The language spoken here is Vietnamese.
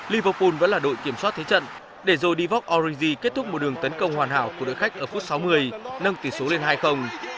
liverpool vẫn là đội kiểm soát thế trận để rồi đi vóc orizy kết thúc một đường tấn công hoàn hảo của đội khách ở phút sáu mươi nâng tỷ số lên hai